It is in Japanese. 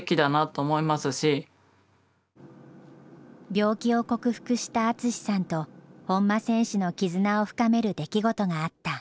病気を克服した淳さんと本間選手の絆を深める出来事があった。